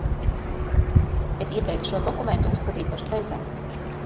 Es ieteiktu šo dokumentu uzskatīt par steidzamu.